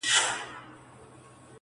هم منلو د خبرو ته تیار دی٫